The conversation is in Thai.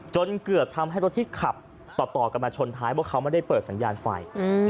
จนเกือบทำให้รถที่ขับต่อกันมาชนท้ายว่าเขาไม่ได้เปิดสัญญาณไฟ